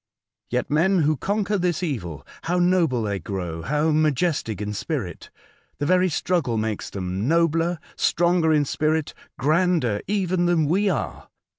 Yet men who conquer this evil, how noble they grow, how majestic in spirit ! The very struggle makes them nobler, stronger in spirit, grander even than we are.